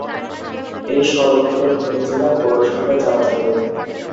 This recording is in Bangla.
এই সড়ক ধরে ফেনী জেলার পৌরসভায় যাওয়া যাবে।